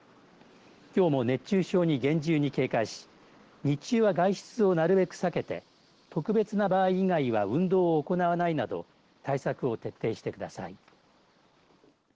きょうも熱中症に厳重に警戒し日中は外出をなるべく避けて特別な場合以外は運動を行わないなど対策を徹底してください。